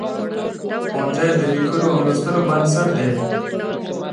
ښوونځی د لیکلو او لوستلو بنسټ دی.